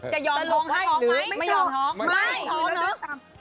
จะย้องท้องให้หรือไม่ยอมท้อง